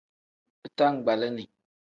Bitangbalini.